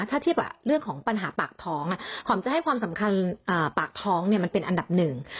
ถ้าเทียบกับเรื่องของปัญหาปากท้องหอมจะให้ความสำคัญปากท้องมันเป็นอันดับหนึ่ง